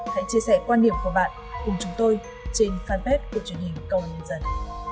hãy chia sẻ quan điểm của bạn cùng chúng tôi trên fanpage của truyền hình cầu nhân dân